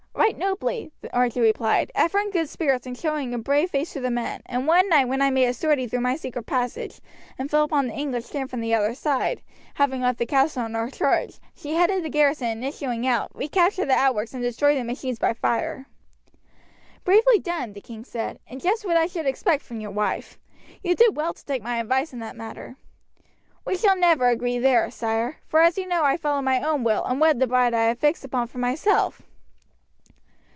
"Right nobly," Archie replied; "ever in good spirits and showing a brave face to the men; and one night when I made a sortie through my secret passage, and fell upon the English camp from the other side, having left the castle in her charge, she headed the garrison and issuing out, recaptured the outworks, and destroyed the machines by fire." "Bravely done," the king said, "and just what I should expect from your wife. You did well to take my advice in that matter." "We shall never agree there, sire, for as you know I followed my own will and wed the bride I had fixed upon for myself."